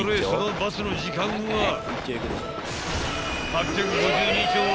その罰の時間は］